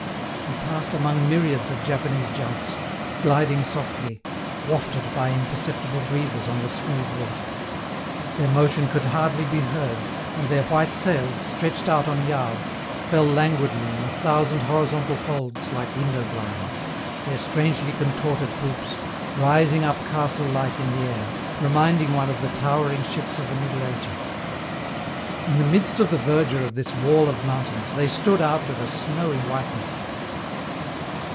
We passed among myriads of Japanese junks, gliding softly, wafted by imperceptible breezes on the smooth water; their motion could hardly be heard, and their white sails, stretched out on yards, fell languidly in a thousand horizontal folds like window blinds, their strangely contorted poops, rising up castle like in the air, reminding one of the towering ships of the Middle Ages. In the midst of the verdure of this wall of mountains, they stood out with a snowy whiteness.